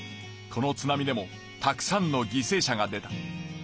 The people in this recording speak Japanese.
この津波でもたくさんのぎせい者が出た。